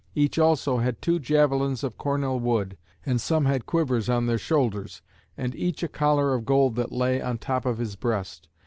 Each also had two javelins of cornel wood, and some had quivers on their shoulders, and each a collar of gold that lay on the top of his breast.